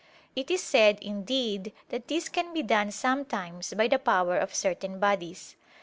It is said indeed that this can be done sometimes by the power of certain bodies.